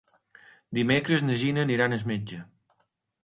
Dimecres na Gina anirà al metge.